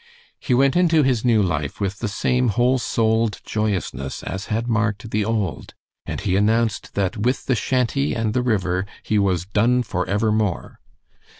He went into his new life with the same whole souled joyousness as had marked the old, and he announced that with the shanty and the river he was "done for ever more."